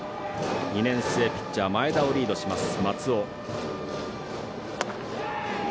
２年生ピッチャー前田をリードします、松尾。